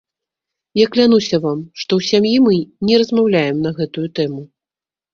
Я клянуся вам, што ў сям'і мы не размаўляем на гэтую тэму.